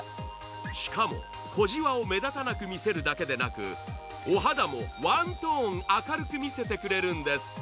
しかも、小じわを目立たなく見せるだけではなく、お肌もワントーン明るく見せてくれるんです。